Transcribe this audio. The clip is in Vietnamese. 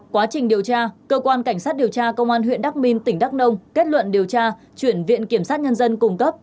quá trình điều tra cơ quan cảnh sát điều tra công an huyện đắk minh tỉnh đắk nông kết luận điều tra chuyển viện kiểm sát nhân dân cung cấp